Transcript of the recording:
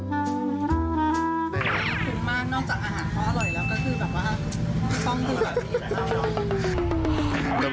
ก็คือแบบว่าไม่ต้องดื่ม